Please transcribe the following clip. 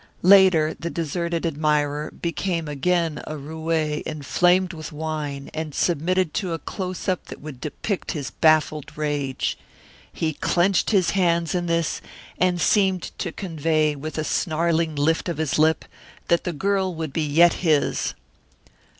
Later the deserted admirer became again a roue inflamed with wine and submitted to a close up that would depict his baffled rage. He clenched his hands in this and seemed to convey, with a snarling lift of his lip, that the girl would yet be his.